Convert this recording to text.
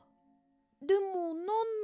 でもなんの。